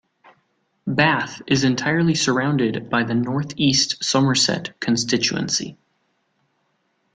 Bath is entirely surrounded by the North East Somerset constituency.